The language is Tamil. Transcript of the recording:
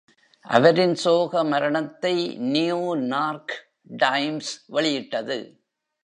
அவரின் சோக மரணத்தை "நியூ நார்க் டைம்ஸ்" வெளியிட்டது.